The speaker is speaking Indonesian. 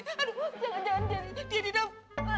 jangan jangan dia di dalam